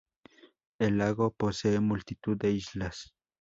El lago posee multitud de islas.